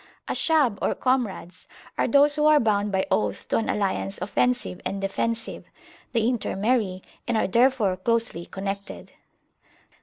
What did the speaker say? Ashab, or comrades, are those who are bound by oath to an alliance offensive and defensive: they intermarry, and are therefore closely connected.